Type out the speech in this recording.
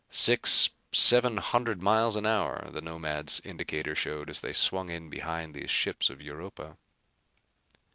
Six, seven hundred miles an hour the Nomad's indicator showed, as they swung in behind these ships of Europa.